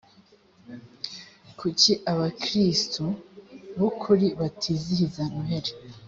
kuki abakristo b’ ukuri batizihiza noheli